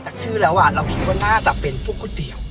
คำขอบคุณ์